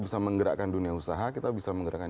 bisa menggerakkan dunia usaha kita bisa menggerakkan